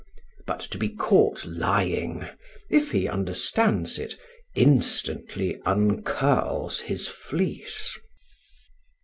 But to be caught lying, if he understands it, instantly uncurls his fleece.